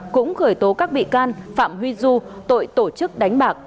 cũng khởi tố các bị can phạm huy du tội tổ chức đánh bạc